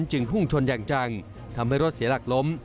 จึงพุ่งชนอย่างจังทำให้รถเสียหลักล้ม